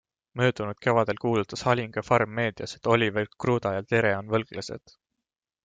Möödunud kevadel kuulutas Halinga farm meedias, et Oliver Kruuda ja Tere on võlglased.